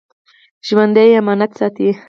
ژوندي امانت ساتي